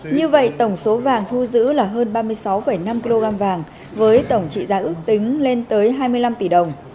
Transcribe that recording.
như vậy tổng số vàng thu giữ là hơn ba mươi sáu năm kg vàng với tổng trị giá ước tính lên tới hai mươi năm tỷ đồng